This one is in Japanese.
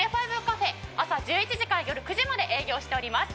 ＦＩＶＥカフェ朝１１時から夜９時まで営業しております。